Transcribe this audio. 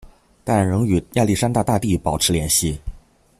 但仍与亚历山大大帝保持联系。